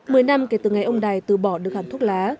mười năm kể từ ngày ông đài từ bỏ được hàm thuốc lá